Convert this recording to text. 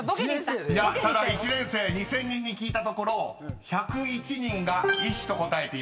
［いやただ１年生２，０００人に聞いたところ１０１人が「医師」と答えています］